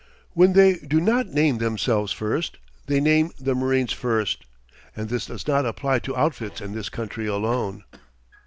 When they do not name themselves first, they name the marines first. And this does not apply to outfits in this country alone.